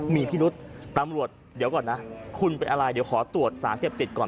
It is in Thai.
มีพิรุษตำรวจเดี๋ยวก่อนนะคุณเป็นอะไรเดี๋ยวขอตรวจสารเสพติดก่อน